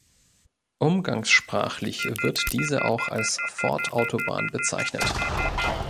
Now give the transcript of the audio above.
Umgangssprachlich wird diese auch als Ford-Autobahn bezeichnet.